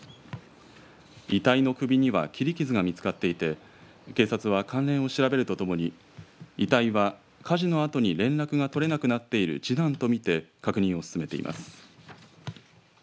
遺体の首には切り傷が見つかっていて警察は関連を調べるとともに遺体は火事のあとに連絡が取れなくなっている次男と見て確認を進めています。